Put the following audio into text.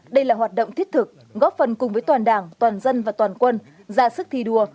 đây là hoạt động thiết thực góp phần cùng với toàn đảng toàn dân và toàn quân ra sức thi đua